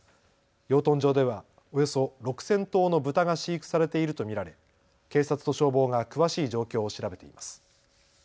養豚場ではおよそ６０００頭の豚が飼育されていると見られ警察と消防が詳しい状況を調べています。